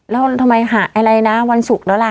แล้วทำไมหาอะไรนะวันศุกร์แล้วล่ะ